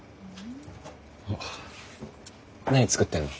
おっ何作ってるの？